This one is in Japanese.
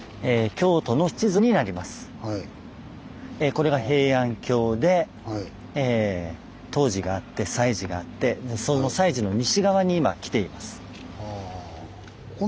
これが平安京で東寺があって西寺があってその西寺の西側に今来ています。